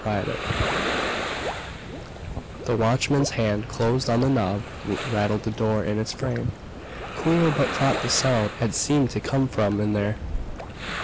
PRIVATE The watchman's hand closed on the knob, rattled the door in its frame. Queer, but tonight the sound had seemed to come from in there....